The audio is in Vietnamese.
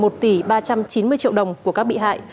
một tỷ ba trăm chín mươi triệu đồng của các bị hại